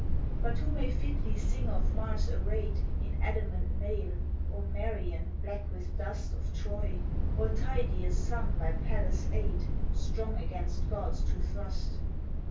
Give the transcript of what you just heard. But who may fitly sing of Mars array'd In adamant mail, or Merion, black with dust Of Troy, or Tydeus' son by Pallas' aid Strong against gods to thrust?